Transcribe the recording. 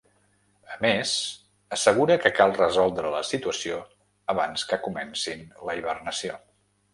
A més, assegura que cal resoldre la situació abans que comencin la hibernació.